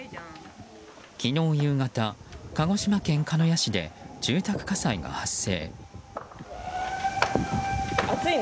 昨日夕方、鹿児島県鹿屋市で住宅火災が発生。